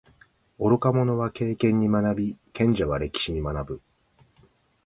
愚か者は経験に学び，賢者は歴史に学ぶ。